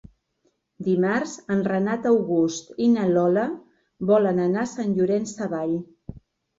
Dimarts en Renat August i na Lola volen anar a Sant Llorenç Savall.